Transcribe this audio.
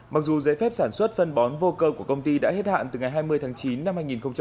mặc dù giấy phép sản xuất phân bón vô cơ của công ty đã hết hạn từ ngày hai mươi tháng chín năm hai nghìn hai mươi